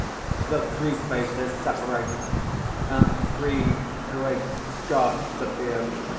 (_The three faces separate; and three great gods appear.